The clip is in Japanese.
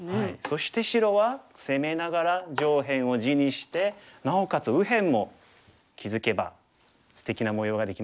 そして白は攻めながら上辺を地にしてなおかつ右辺も気付けばすてきな模様ができましたよね。